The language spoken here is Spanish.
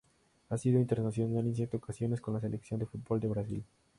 Ha sido internacional en siete ocasiones con la Selección de fútbol de Brasil.